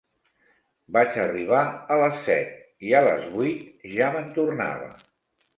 Vaig arribar a les set, i a les vuit ja me'n tornava.